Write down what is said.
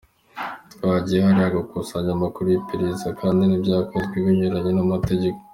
Twagiye hariya gukusanya amakuru y’iperereza kandi ntibyakozwe binyuranye n’amategeko.